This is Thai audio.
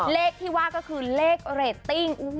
เลขที่ว่าก็คือเลขเรตติ้ง